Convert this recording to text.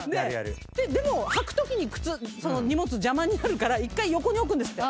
でも履くときに靴荷物邪魔になるから１回横に置くんですって。